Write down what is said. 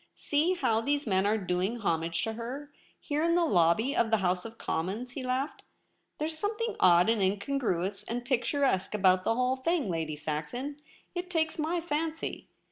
* See how these men are doing homage to her, here in the lobby of the House of Commons,' he laughed. ' There's something odd, and incongruous, and pictur esque about the whole thing, Lady Saxon. It takes my fancy.